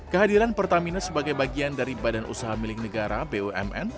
kehadiran pertamina sebagai bagian dari badan usaha milik negara bumn